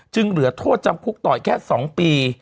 จึงเหลือโทษจำคุกต่อยแค่๒ปี